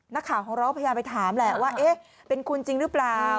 นักข่าวของเราพยายามไปถามแหละว่าเอ๊ะเป็นคุณจริงหรือเปล่า